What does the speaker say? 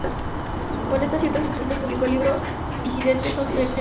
Con estas y otras entrevistas publicó el libro "¿Disidentes o Mercenarios?".